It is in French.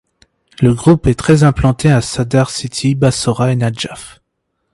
Le groupe est très implanté à Sadr City, Bassorah et Nadjaf.